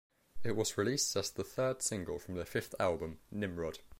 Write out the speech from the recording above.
It was released as the third single from their fifth album, "Nimrod".